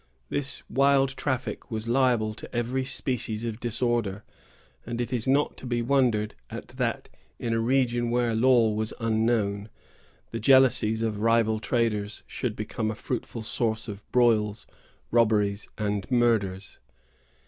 This wild traffic was liable to every species of disorder; and it is not to be wondered at that, in a region where law was unknown, the jealousies of rival traders should become a fruitful source of broils, robberies, and murders.